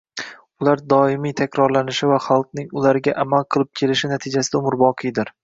Ular doimiy takrorlanishi va xalqning ularga amal qilib kelishi natijasida umrboqiydir.